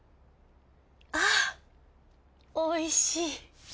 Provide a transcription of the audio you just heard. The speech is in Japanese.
あおいしい。